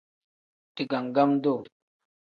Digangam-duu.